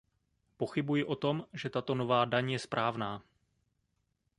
Pochybuji o tom, že tato nová daň je správná.